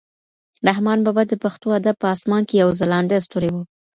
رحمان بابا د پښتو ادب په اسمان کې یو ځلانده ستوری و.